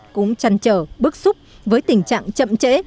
cũng chăn trở bức xúc với tình trạng chậm trễ